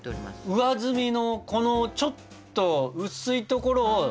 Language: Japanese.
上澄みのこのちょっと薄いところを。